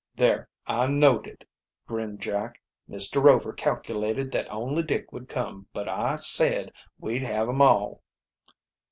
"There, I knowed it," grinned Jack. "Mr. Rover calculated that only Dick would come, but I said we'd have 'em all."